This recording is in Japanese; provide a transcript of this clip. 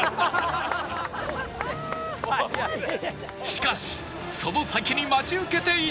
しかしその先に待ち受けていたのは